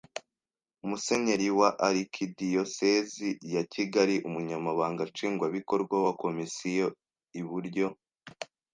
Musenyeri wa Arikidiyosezi ya Kigali Umunyamabanga Nshingwabikorwa wa Komisiyo iburyo